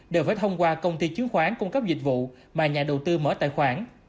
đều phải thông qua công ty chứng khoán cung cấp dịch vụ mà nhà đầu tư mở tài khoản